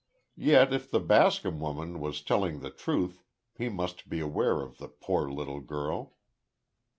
Yet, if the Bascom woman was telling the truth, he must beware of the "poor little girl."